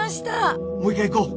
もう一回行こう。